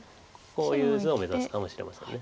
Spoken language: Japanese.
こういう図を目指すかもしれません。